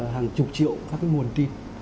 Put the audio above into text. hàng chục triệu các nguồn tin